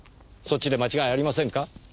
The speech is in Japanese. そっちで間違いありませんか？